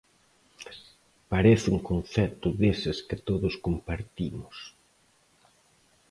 Parece un concepto deses que todos compartimos.